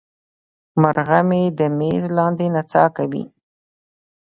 مرغه مې د میز لاندې نڅا کوي.